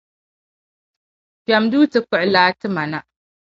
kpem duu ti kpuɣi laa ti ma na.